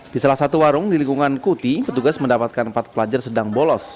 di salah satu warung di lingkungan kuti petugas mendapatkan empat pelajar sedang bolos